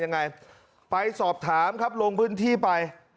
ยังไงไปสอบถามครับลงพื้นที่ไป